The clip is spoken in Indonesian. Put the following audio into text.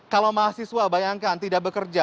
kalau mahasiswa bayangkan tidak bekerja